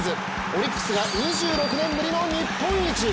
オリックスが２６年ぶりの日本一。